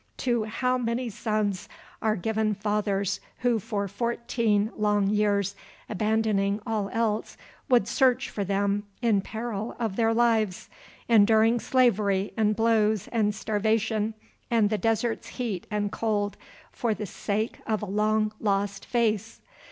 To how many sons are given fathers who for fourteen long years, abandoning all else, would search for them in peril of their lives, enduring slavery and blows and starvation and the desert's heat and cold for the sake of a long lost face?